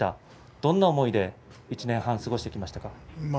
どんな思いで１年半過ごしてきましたか。